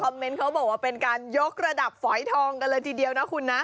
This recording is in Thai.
เมนต์เขาบอกว่าเป็นการยกระดับฝอยทองกันเลยทีเดียวนะคุณนะ